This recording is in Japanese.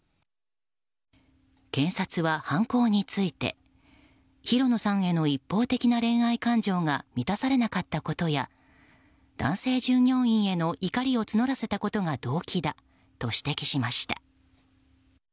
検察は犯行について広野さんへの一方的な恋愛感情が満たされなかったことや男性従業員への怒りを募らせたことが動機だと指摘しました。